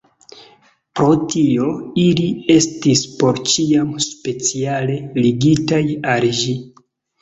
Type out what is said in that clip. Pro tio, ili estis por ĉiam speciale ligitaj al ĝi.